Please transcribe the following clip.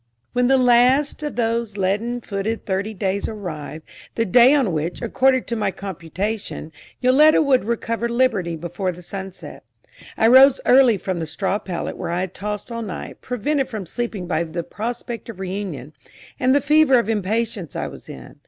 When the last of those leaden footed thirty days arrived the day on which, according to my computation, Yoletta would recover liberty before the sun set I rose early from the straw pallet where I had tossed all night, prevented from sleeping by the prospect of reunion, and the fever of impatience I was in.